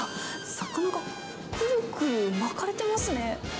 魚がくるくる巻かれてますね。